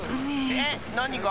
えっなにが？